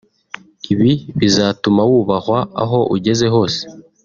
ibi bizatuma wubahwa aho ugeze hose